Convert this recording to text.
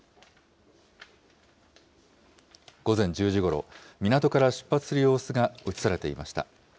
午前１０時ごろ、港から出発する様子が写されていました。